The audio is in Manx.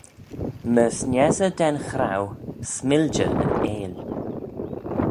Myr sniessey da'n chraue s'miljey yn eill